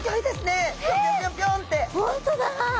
本当だ！